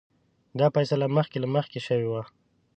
دا فیصله مخکې له مخکې شوې وه.